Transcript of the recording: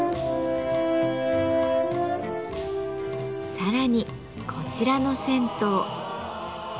更にこちらの銭湯。